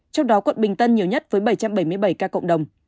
trong đó quận bình tân nhiều nhất với bảy trăm bảy mươi bảy ca cộng đồng